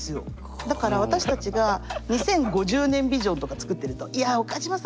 だから私たちが２０５０年ビジョンとか作ってるとスパッと言われます。